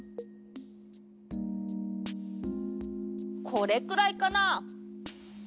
これくらいかな？